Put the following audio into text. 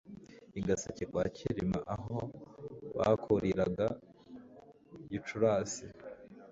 I Gaseke kwa Cyilima Aho bakuriraga Gicurasi